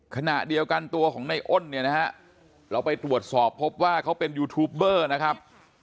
ขณะเดียวกันตัวของในอ้นเนี่ยนะฮะเราไปตรวจสอบพบว่าเขาเป็นยูทูปเบอร์นะครับ